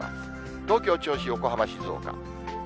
東京、銚子、横浜、静岡。